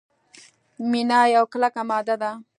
مینا یوه کلکه ماده ده.